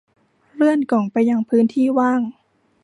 เลื่อนกล่องไปยังพื้นที่ว่าง